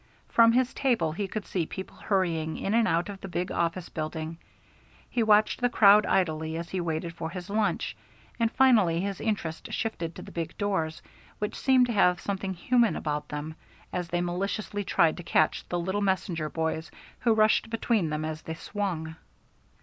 From his table he could see people hurrying in and out of the big office building. He watched the crowd idly as he waited for his lunch, and finally his interest shifted to the big doors, which seemed to have something human about them, as they maliciously tried to catch the little messenger boys who rushed between them as they swung.